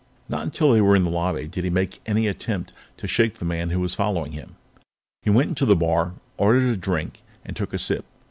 Not until they were in the lobby did he make any attempt to shake the man who was following him. He went into the bar, ordered a drink, and took a sip.